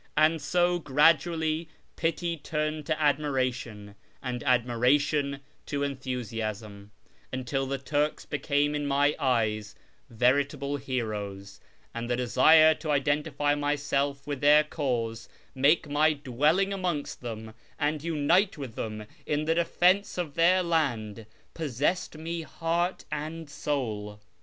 And so gradually pity turned to admiration, and admiration to enthusiasm, until tlie Turks became in my eyes veritable heroes, and the desire to identify myself with tlicir cause, make my dwelling amongst tliem, and unite with them in the defence of their land, possessed me heart and soul.